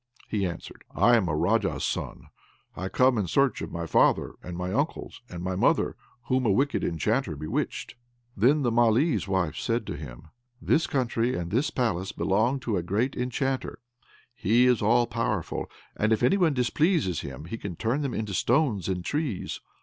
He answered, "I am a Raja's son, and I come in search of my father, and my uncles, and my mother whom a wicked enchanter bewitched." Then the Malee's wife said, "This country and this palace belong to a great enchanter; he is all powerful, and if any one displeases him, he can turn them into stones and trees.